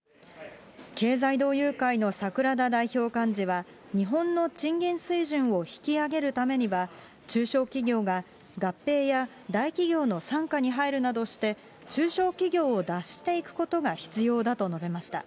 経済同友会の櫻田代表幹事は、日本の賃金水準を引き上げるためには、中小企業が合併や大企業の傘下に入るなどして、中小企業を脱していくことが必要だと述べました。